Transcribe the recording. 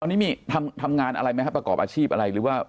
ตอนนี้มีทำงานอะไรไหมครับประกอบอาชีพอะไรหรือว่า